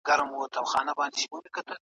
هغوی چې نن خوله تویوي سبا خاندي.